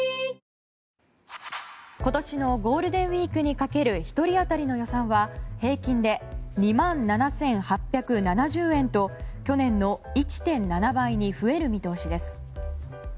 今年のゴールデンウィークにかける１人当たりの予算は平均で２万７８７０円と去年の１．７倍に増える見通しです。